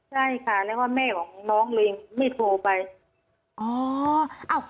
ใช่ค่ะแล้วก็แม่ของน้องเลยไม่โทรไปอ๋อ